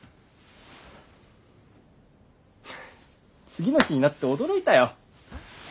次の日になって驚いたよ。